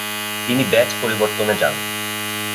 তিনি ব্যাট পরিবর্তনে যান।